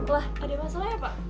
lah ada masalah ya pak